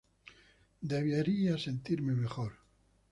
Debería sentirme mejor.